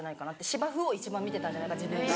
芝生を一番見てたんじゃないか自分が。